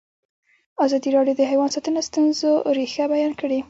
ازادي راډیو د حیوان ساتنه د ستونزو رېښه بیان کړې.